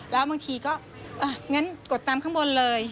แล้วบางทีก็งั้นกดตามข้างบนเลย